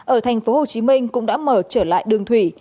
ở tp hcm cũng đã mở trở lại đường thủy